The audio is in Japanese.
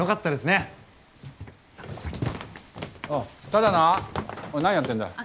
ただな何やってんだよ。